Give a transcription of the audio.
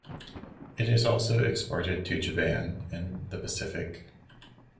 It is also exported to Japan and the Pacific.